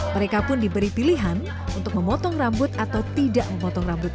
mereka pun diberi pilihan untuk memotong rambut atau tidak memotong rambut